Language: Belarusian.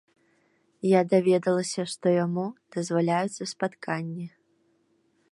Я даведалася, што яму дазваляюцца спатканні.